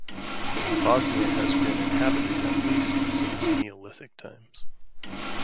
Bosnia has been inhabited at least since Neolithic times.